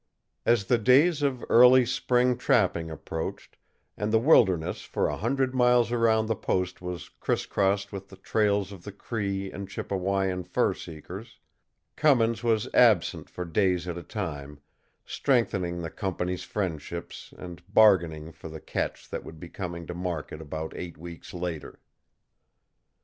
As the days of early spring trapping approached, and the wilderness for a hundred miles around the post was crisscrossed with the trails of the Cree and Chippewayan fur seekers, Cummins was absent for days at a time, strengthening the company's friendships, and bargaining for the catch that would be coming to market about eight weeks later.